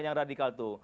yang radikal itu